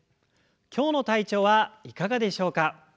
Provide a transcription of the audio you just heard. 今日の体調はいかがでしょうか？